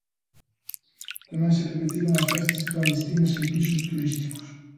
Tamén se repetiron as festas clandestinas en pisos turísticos.